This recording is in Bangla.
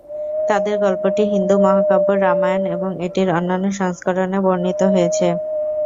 তাদের গল্পটি হিন্দু মহাকাব্য, রামায়ণ এবং এটির অন্যান্য সংস্করণে বর্ণিত রয়েছে।